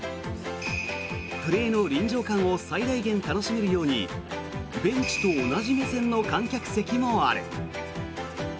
プレーの臨場感を最大限楽しめるようにベンチと同じ目線の観客席もある。